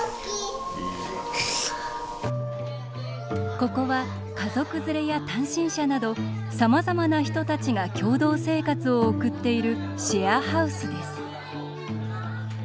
ここは、家族づれや単身者などさまざまな人たちが共同生活を送っているシェアハウスです。